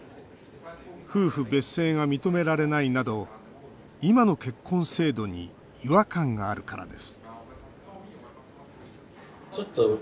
夫婦別姓が認められないなど今の結婚制度に違和感があるからです